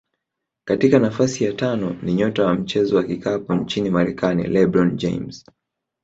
Katika nafasi ya tano ni nyota wa mchezo wa vikapu nchini Marekani LeBron James